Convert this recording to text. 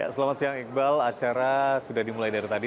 selamat siang iqbal acara sudah dimulai dari tadi